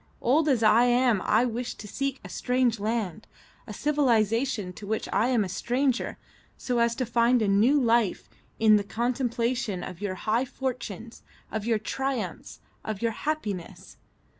Old as I am I wished to seek a strange land, a civilisation to which I am a stranger, so as to find a new life in the contemplation of your high fortunes, of your triumphs, of your happiness.